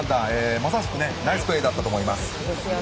まさしくナイスプレーだったと思います。